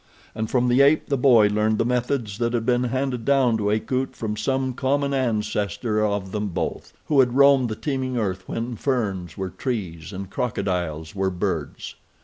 And from the ape the boy learned the methods that had been handed down to Akut from some common ancestor of them both, who had roamed the teeming earth when ferns were trees and crocodiles were birds.